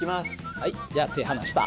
はいじゃあ手離した。